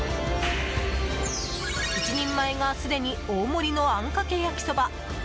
１人前がすでに大盛りのあんかけ焼きそば。